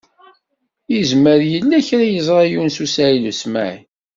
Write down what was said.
Izmer yella kra i yeẓṛa Yunes u Saɛid u Smaɛil.